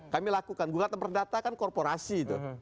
kami lakukan gugatan perdata kan korporasi itu